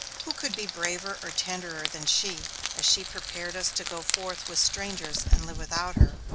Who could be braver or tenderer than she, as she prepared us to go forth with strangers and live without her?